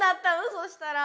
そしたら。